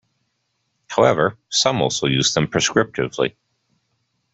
However, some also use them prescriptively.